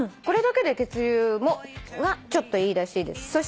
これだけで血流がちょっといいらしいです。